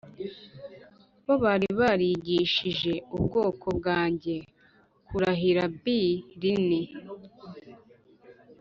bo bari barigishije ubwoko bwanjye kurahira B li ni